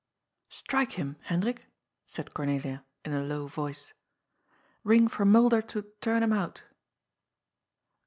" Strike him, Hendrik," said Cornelia, in a low voice. " Ring for Mulder to turn him out."